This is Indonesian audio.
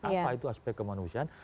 apa itu aspek kemanusiaan